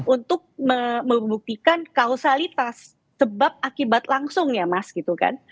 untuk membuktikan kausalitas sebab akibat langsung ya mas gitu kan